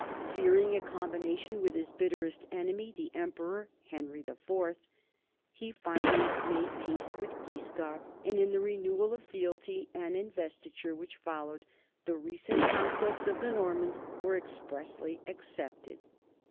Fearing a com bination with his bitterest enemy, the Emperor Henry IV, he finally made peace with Guiscard, and in the re newal of fealty and investiture which followed, the recent conquests of the Normans were expressly ex cepted.